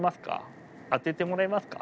当ててもらえますか。